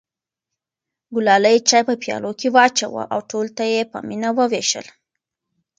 ګلالۍ چای په پیالو کې واچوه او ټولو ته یې په مینه وویشل.